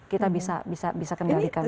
kita bisa kendalikan